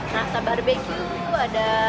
rasa barbeque itu ada